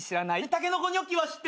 たけのこニョッキは知ってる。